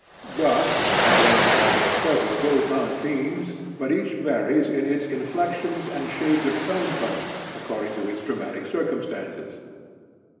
Thus not only are there several Wotan themes, but each varies in its inflexions and shades of tone color according to its dramatic circumstances.